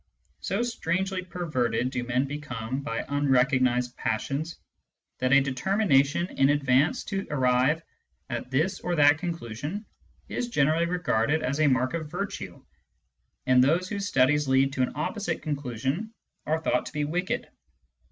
So strangely perverted do men become by unrecognised passions, that a determination in advance to arrive at this or that conclusion is generally regarded as a mark of virtue, and those whose studies lead to an opposite conclusion are thought to be wicked.